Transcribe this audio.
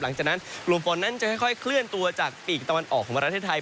หลังจากนั้นกลุ่มฝนนั้นจะค่อยเคลื่อนตัวจากปีกตะวันออกของประเทศไทย